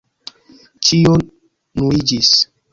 Ĉio nuliĝis.